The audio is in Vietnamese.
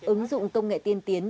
ứng dụng công nghệ tiên tiến